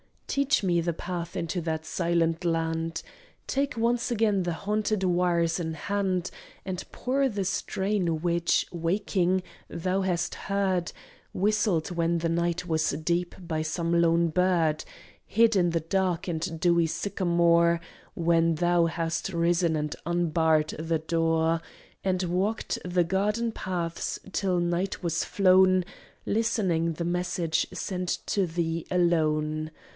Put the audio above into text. Teach me the path into that silent land. Take once again the haunted wires in hand, And pour the strain which, waking, thou hast heard Whistled when night was deep by some lone bird Hid in the dark and dewy sycamore, When thou hast risen and unbarred the door And walked the garden paths till night was flown, Listening the message sent to thee alone.